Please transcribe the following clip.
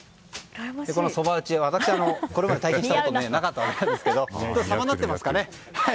このそば打ち私は体験したことがなかったんですがさまになっていますかね。